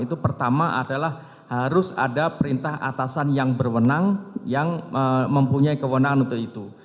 itu pertama adalah harus ada perintah atasan yang berwenang yang mempunyai kewenangan untuk itu